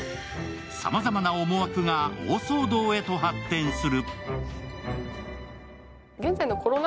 さまざまな思惑が大騒動へと発展する。